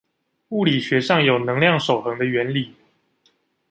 物理學上有能量守恆的原理